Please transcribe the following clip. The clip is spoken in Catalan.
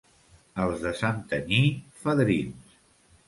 Els de Santanyí, fadrins.